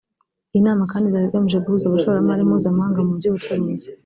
Iyi nama kandi izaba igamije guhuza abashoramari mpuzamahanga mu by’ubucuruzi